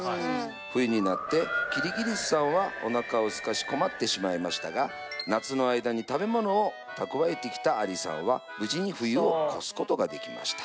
冬になってキリギリスさんはおなかをすかし困ってしまいましたが夏の間に食べ物を蓄えてきたアリさんは無事に冬を越すことができました。